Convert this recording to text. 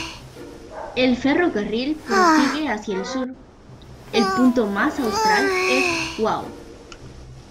El ferrocarril prosigue hacia el sur; el punto más austral es Wau.